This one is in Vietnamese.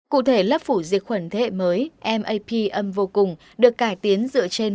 cụ thể lớp phủ diệt khuẩn thế hệ mới mapm vô cùng được cải tiến dựa trên